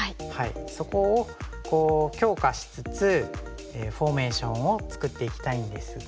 そこを強化しつつフォーメーションを作っていきたいんですが。